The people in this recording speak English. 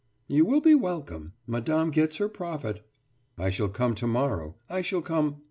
« »You will be welcome. Madame gets her profit.« »I shall come tomorrow. I shall come....